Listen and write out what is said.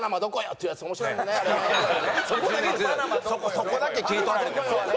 そこだけ切り取られてもね。